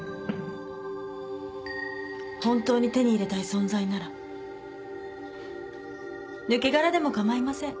本当に手に入れたい存在なら抜け殻でも構いません。